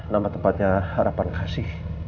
nama tempatnya harapan kasih